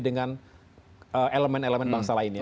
dengan elemen elemen bangsa lainnya